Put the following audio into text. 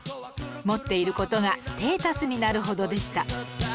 持っている事がステータスになるほどでした